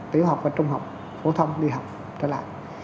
tiểu học và trung học phổ thông đi học trở lại